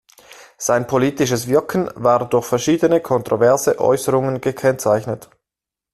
Sein politisches Wirken war durch verschiedene kontroverse Äußerungen gekennzeichnet.